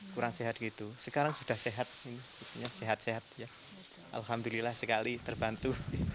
kurang sehat gitu sekarang sudah sehat sehat alhamdulillah sekali terbantu